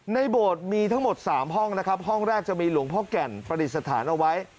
ในบทมีทั้งหมดสามห้องนะครับห้องแรกจะมีหลวงพ่อกรรมปฤติสถานเอาไว้